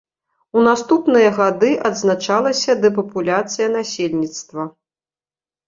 У наступныя гады адзначалася дэпапуляцыя насельніцтва.